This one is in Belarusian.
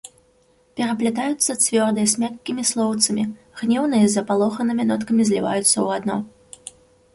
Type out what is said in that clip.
Пераплятаюцца цвёрдыя з мяккімі слоўцамі, гнеўныя з запалоханымі ноткамі зліваюцца ў адно.